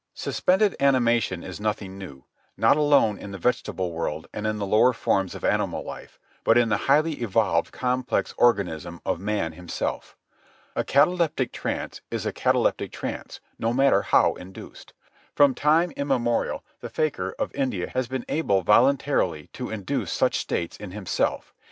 Suspended animation is nothing new, not alone in the vegetable world and in the lower forms of animal life, but in the highly evolved, complex organism of man himself. A cataleptic trance is a cataleptic trance, no matter how induced. From time immemorial the fakir of India has been able voluntarily to induce such states in himself.